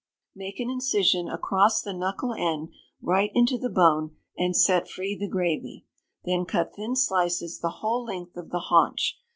Make an incision across the knuckle end, right into the bone, and set free the gravy. Then cut thin slices the whole length of the haunch.